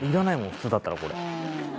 普通だったらこれ。